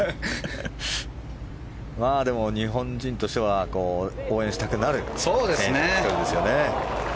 でも、日本人としては応援したくなる１人ですよね。